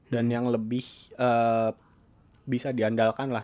dan yang lebih bisa diandalkan lah